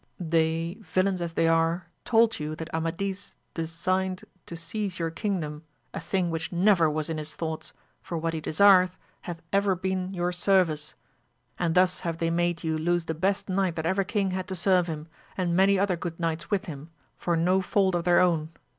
They, villains as they are, told you that Amadis designed to seize your kingdom, a thing which never was in his thoughts, for what he desired hath ever been your service, and thus have they made you lose the best knight that ever king had to serve him, and may other good knights with him, for no fault of their own.